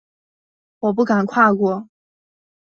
我不敢跨过